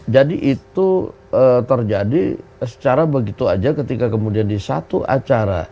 jadi itu terjadi secara begitu aja ketika kemudian di satu acara